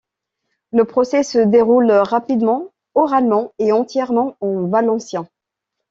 Le procès se déroule rapidement, oralement et entièrement en valencien.